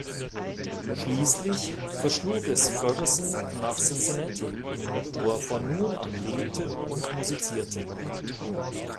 Schließlich verschlug es Ferguson nach Cincinnati, wo er von nun an lebte und musizierte.